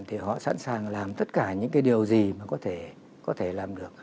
thì họ sẵn sàng làm tất cả những điều gì mà có thể làm được